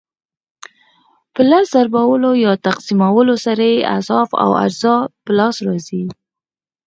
په لس ضربولو یا تقسیمولو سره یې اضعاف او اجزا په لاس راځي.